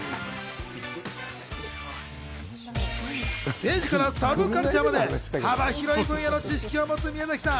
政治からサブカルチャーまで幅広い分野の知識を持つ宮崎さん。